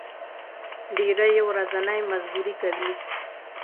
ډېری یې ورځنی مزدوري کوي.